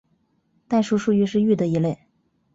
代数数域是域的一类。